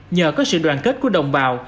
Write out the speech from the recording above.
nhờ có sự đoàn kết của đồng bào